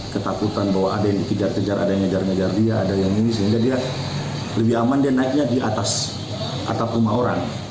ketakutan bahwa ada yang dikejar kejar ada yang ngejar ngejar dia ada yang ini sehingga dia lebih aman dia naiknya di atas atap rumah orang